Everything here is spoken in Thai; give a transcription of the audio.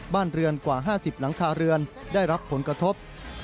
บ้านเรือนกว่า๕๐หลังคาเรือนได้รับผลกระทบ